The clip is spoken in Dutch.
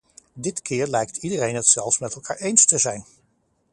Dit keer lijkt iedereen het zelfs met elkaar eens te zijn.